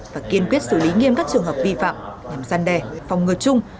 và kiên quyết xử lý nghiêm các trường hợp vi phạm nhằm gian đề phòng ngừa chung